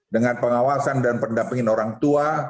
dengan pengawasan dan pendampingan orang tua